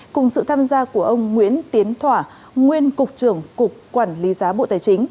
cùng sự tham gia của ông nguyễn tiến thỏa nguyên cục trưởng cục quản lý giá bộ tài chính